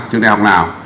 trường đại học nào